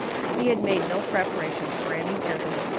He had made no preparations for any journey.